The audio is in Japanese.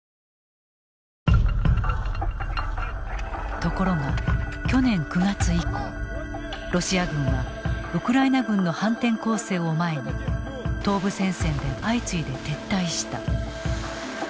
ところが去年９月以降ロシア軍はウクライナ軍の反転攻勢を前に東部戦線で相次いで撤退した。